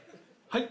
はい？